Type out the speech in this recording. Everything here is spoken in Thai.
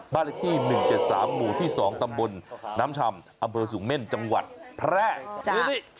เลขที่๑๗๓หมู่ที่๒ตำบลน้ำชำอำเภอสูงเม่นจังหวัดแพร่